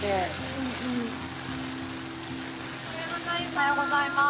おはようございます。